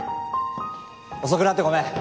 遅くなってごめん。